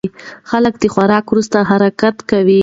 خلک د خوراک وروسته حرکت کوي.